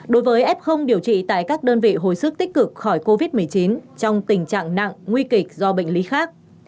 đối với f điều trị tại các đơn vị hồi sức tích cực khỏi covid một mươi chín trong tình trạng nặng nguy kịch do bệnh lý khác